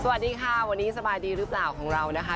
สวัสดีค่ะวันนี้สบายดีหรือเปล่าของเรานะคะ